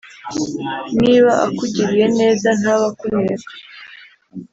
niba akugiriye neza ntabe akuneka